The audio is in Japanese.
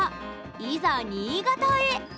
いざ新潟へ！